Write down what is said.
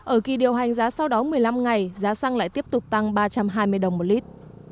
ở kỳ điều hành giá sau đó một mươi năm ngày giá xăng lại tiếp tục tăng ba trăm hai mươi đồng một lít